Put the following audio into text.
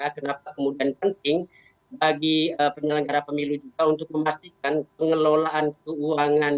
kenapa kemudian penting bagi penyelenggara pemilu juga untuk memastikan pengelolaan keuangan